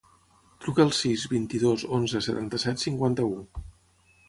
Truca al sis, vint-i-dos, onze, setanta-set, cinquanta-u.